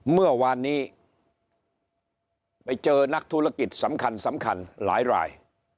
เมื่อวานนี้ไปเจอนักธุรกิจสำคัญสำคัญหลายราย